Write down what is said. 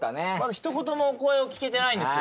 一言もお声を聞けてないんですが。